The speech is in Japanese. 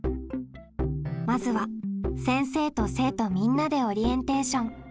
まずは先生と生徒みんなでオリエンテーション。